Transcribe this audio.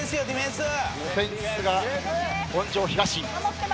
オフェンスが本庄東。